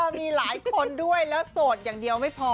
มีหลายคนด้วยแล้วโสดอย่างเดียวไม่พอ